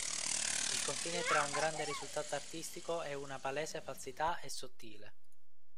Il confine tra un grande risultato artistico e una palese falsità è sottile.